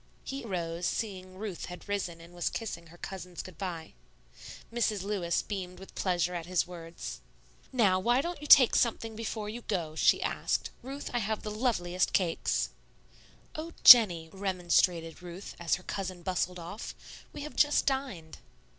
He arose, seeing Ruth had risen and was kissing her cousins good by. Mrs. Lewis beamed with pleasure at his words. "Now, won't you take something before you go?" she asked. "Ruth, I have the loveliest cakes." "Oh, Jennie," remonstrated Ruth, as her cousin bustled off, "we have just dined."